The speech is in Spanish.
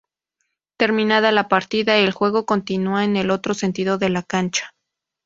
Terminada la partida, el juego continúa en el otro sentido de la cancha.